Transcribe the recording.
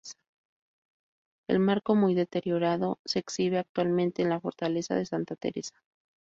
El marco, muy deteriorado se exhibe actualmente en la Fortaleza de Santa Teresa.